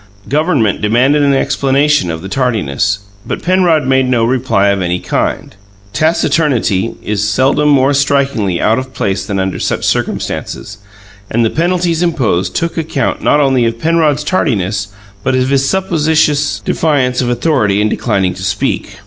Government demanded an explanation of the tardiness; but Penrod made no reply of any kind. Taciturnity is seldom more strikingly out of place than under such circumstances, and the penalties imposed took account not only of Penrod's tardiness but of his supposititious defiance of authority in declining to speak.